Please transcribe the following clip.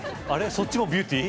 そっちもビューティー？